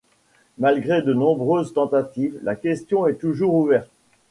Malgré de nombreuses tentatives, la question est toujours ouverte.